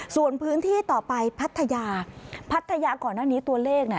ส่วนพื้นที่ต่อไปพัทยาพัทยาก่อนหน้านี้ตัวเลขน่ะ